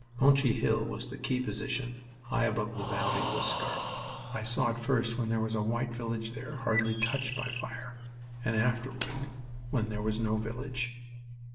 Monchy Hill was the key position, high above the valley of the Scarpe. I saw it first when there was a white village there, hardly touched by fire, and afterward when there was no village.